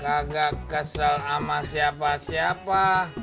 kagak kesel ama siapa siapa